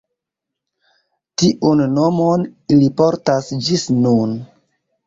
Tiun nomon ili portas ĝis nun.